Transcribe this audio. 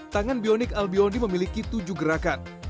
tangan bionik albiondi memiliki tujuh gerakan